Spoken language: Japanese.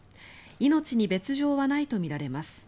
命に別条はないとみられます。